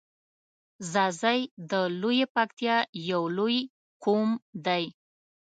ځاځی د لویی پکتیا یو لوی قوم دی.